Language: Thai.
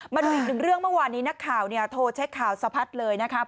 มาดูอีกหนึ่งเรื่องเมื่อวานนี้นักข่าวเนี่ยโทรเช็คข่าวสะพัดเลยนะครับ